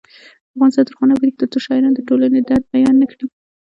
افغانستان تر هغو نه ابادیږي، ترڅو شاعران د ټولنې درد بیان نکړي.